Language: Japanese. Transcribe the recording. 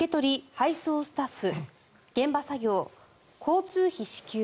・配送スタッフ現場作業、交通費支給